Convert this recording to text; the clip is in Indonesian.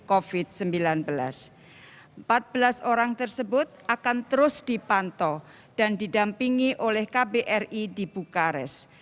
empat belas orang tersebut akan terus dipantau dan didampingi oleh kbri di bukares